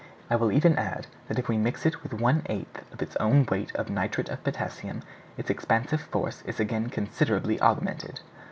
I will even add, that if we mix it with one eighth of its own weight of nitrate of potassium, its expansive force is again considerably augmented."